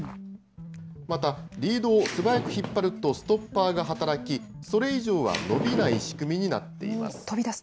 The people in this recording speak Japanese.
また、リードを素早く引っ張るとストッパーが働き、それ以上は延びない仕組みになっています。